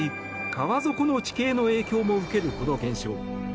川底の地形の影響も受けるこの現象。